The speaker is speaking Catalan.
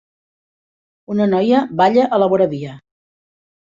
Una noia balla a la voravia.